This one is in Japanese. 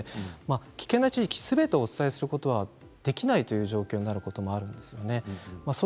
危険な地域すべてを伝えることはできないという状況になることもあります。